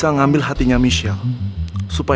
nggak di golf